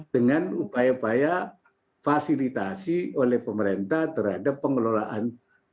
dengan upaya upaya fasilitasi oleh pemerintah terhadap pengelolaan